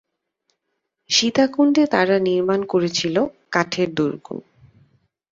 সীতাকুন্ডে তাঁরা নির্মাণ করেছিল কাঠের দুর্গ।